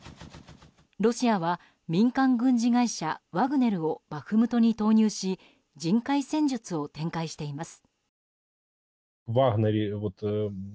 ロシアは民間軍事会社ワグネルをバフムトに投入し人海戦術を展開しています。